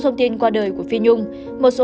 thông tin qua đời của phi nhung một số